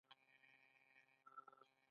منموهن سینګ اقتصاد پیاوړی کړ.